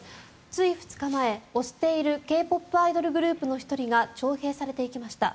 つい２日前、推しているＫ−ＰＯＰアイドルグループの１人が徴兵されていきました。